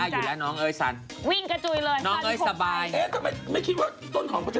หนูสได้ช